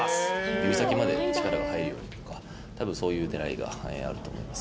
指先まで力が入るようにとか、たぶんそういうねらいがあると思います。